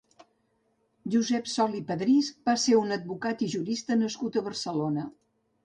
Josep Sol i Padrís va ser un advocat i jurista nascut a Barcelona.